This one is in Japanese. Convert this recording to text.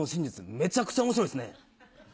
めちゃくちゃ面白いですね。